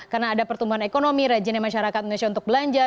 karena ada pertumbuhan ekonomi rejene masyarakat indonesia untuk belanja